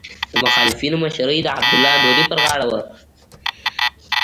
د مخالفینو مشري د عبدالله نوري پر غاړه وه.